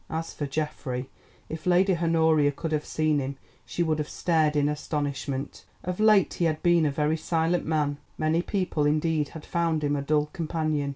As for Geoffrey, if Lady Honoria could have seen him she would have stared in astonishment. Of late he had been a very silent man, many people indeed had found him a dull companion.